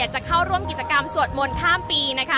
อาจจะออกมาใช้สิทธิ์กันแล้วก็จะอยู่ยาวถึงในข้ามคืนนี้เลยนะคะ